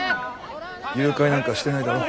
誘拐なんかしてないだろ。